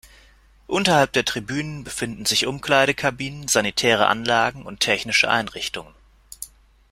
Unterhalb der Tribünen befinden sich Umkleidekabinen, sanitäre Anlagen und technische Einrichtungen.